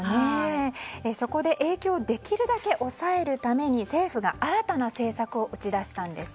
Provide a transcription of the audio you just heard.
そこで、影響をできるだけ抑えるために政府が新たな政策を打ち出したんです。